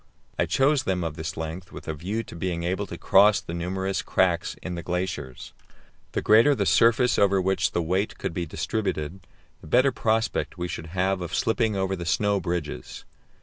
I chose them of this length with a view to being able to cross the numerous cracks in the glaciers; the greater the surface over which the weight could be distributed, the better prospect we should have of slipping over the snow bridges.